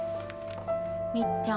みっちゃん。